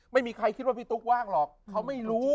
ไม่มีใครคิดว่าพี่ตุ๊กว่างหรอกเขาไม่รู้